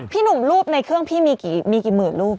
หนุ่มรูปในเครื่องพี่มีกี่หมื่นรูป